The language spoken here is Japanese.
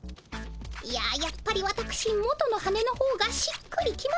いややっぱりわたくし元の羽のほうがしっくりきますね。